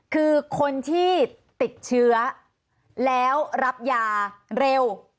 คือคนที่ติดเชื้อแล้วรับยาเร็ว